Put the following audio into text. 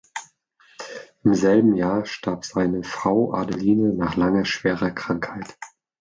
Im selben Jahr starb seine Frau Adeline nach langer, schwerer Krankheit.